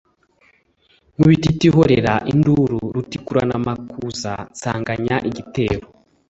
Nkubito itihorera induruRutikuranamakuza nsanganya igitero